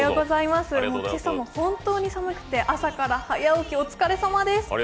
けさも本当に寒くて朝から早起きお疲れさまです。